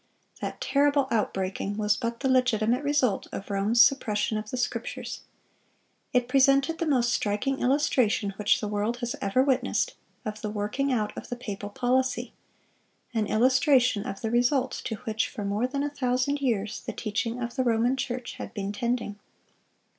That terrible outbreaking was but the legitimate result of Rome's suppression of the Scriptures.(384) It presented the most striking illustration which the world has ever witnessed, of the working out of the papal policy,—an illustration of the results to which for more than a thousand years the teaching of the Roman Church had been tending.